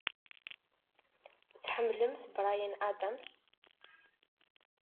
Tḥemmlemt Bryan Adams?